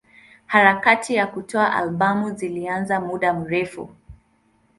Harakati za kutoa albamu zilianza muda mrefu.